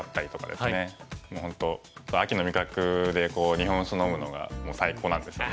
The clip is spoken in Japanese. もう本当秋の味覚で日本酒飲むのが最高なんですよね。